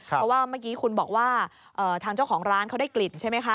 เพราะว่าเมื่อกี้คุณบอกว่าทางเจ้าของร้านเขาได้กลิ่นใช่ไหมคะ